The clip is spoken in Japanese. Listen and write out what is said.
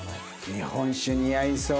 日本酒似合いそう。